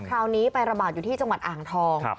คราวนี้ไประบาดอยู่ที่จังหวัดอ่างทอง